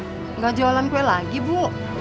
tidak jualan kue lagi bu